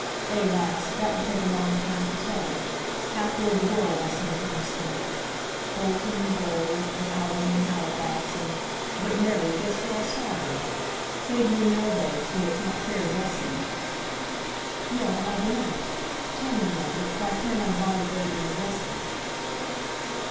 "Eh, lass, that would take a long time to tell. Half o'er the world I sometimes think. Bolton, and Bury, and Owdham, and Halifax, and but Mary, guess who I saw there! May be you know though, so it's not fair guessing." "No, I donnot. Tell me, Margaret, for I cannot abide waiting and guessing."